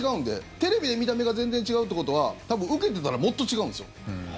テレビで見た目が全然違うってことは多分、受けてたらもっと違うんですよ。